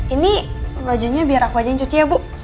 ini bajunya biar aku ajakin cuci ya bu